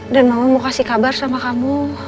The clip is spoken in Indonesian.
dan mama mau kasih kabar sama kamu